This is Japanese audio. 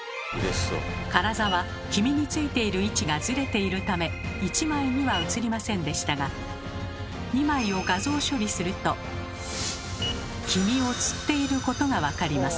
カラザは黄身についている位置がずれているため１枚には写りませんでしたが黄身をつっていることがわかります。